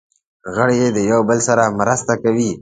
غړي یې د یو بل سره مرسته کوي.